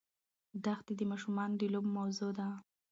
دښتې د ماشومانو د لوبو موضوع ده.